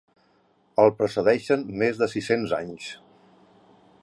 El precedeixen més de sis-cents anys.